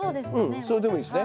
それでもいいですね。